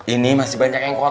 ini masih banyak yang kop